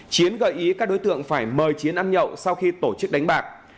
chiến gợi ý các đối tượng phải mời chiến ăn nhậu sau khi tổ chức đánh bạc